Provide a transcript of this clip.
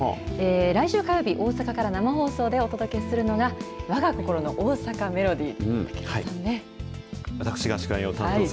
来週火曜日、大阪から生放送でお届けするのが、わが心の大阪メロディー。